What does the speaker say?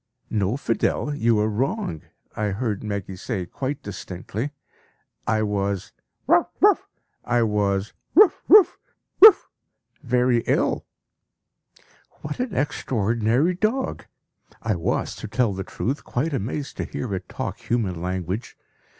"No, Fidel, you are wrong," I heard Meggy say quite distinctly. "I was bow wow! I was bow! wow! wow! very ill." What an extraordinary dog! I was, to tell the truth, quite amazed to hear it talk human language.